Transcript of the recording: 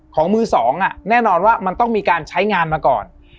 ของมือสองแน่นอนว่ามันต้องมีการใช้งานมาก่อน